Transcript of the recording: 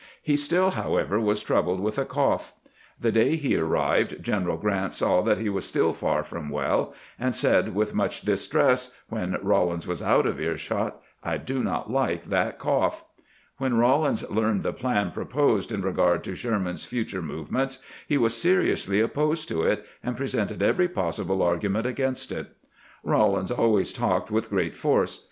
He still, however, was troubled with a cough. The day he arrived General Grant saw that he was still far from well, and said with much dis tress, when Rawlins was out of earshot, " I do not like that cough." When Eawlins learned the plan proposed in regard to Sherman's future movements, he was seri ously opposed to it, and presented every possible argu ment against it. Rawlins always talked with great force.